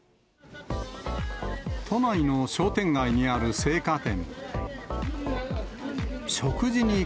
都内の商店街にある青果店。